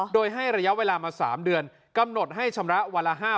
โดยให้ระยะเวลามา๓เดือนกำหนดให้ชำระวันละ๕๐๐